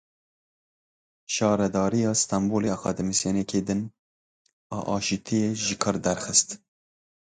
Şaradariya Stenbolê akademîsyeneke din a aşitiyê ji kar derxist.